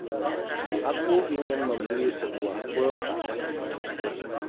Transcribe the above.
Aku ingin membeli sebuah kulkas.